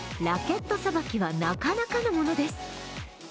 ラケットさばきはなかなかのものです。